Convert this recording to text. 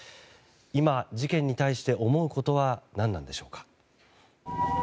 今、事件に対して思うことは何なのでしょうか。